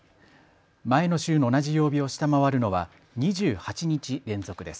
前の週の同じ曜日を下回るのは２８日連続です。